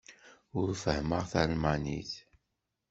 Ur fehhmeɣ talmanit.